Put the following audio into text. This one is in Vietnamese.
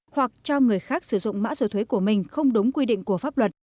hoặc cho người khác sử dụng mã số thuế của mình không đúng quy định của pháp luật